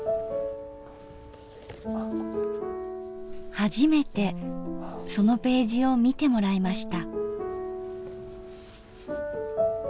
初めてそのページを見てもらいました。